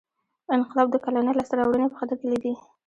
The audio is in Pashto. انقلاب دوه کلنۍ لاسته راوړنې په خطر کې لیدې.